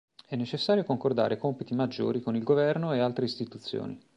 È necessario concordare compiti maggiori con il governo e altre istituzioni.